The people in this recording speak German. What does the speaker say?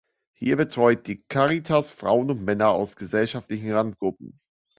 Hier betreut die Caritas Frauen und Männer aus gesellschaftlichen Randgruppen.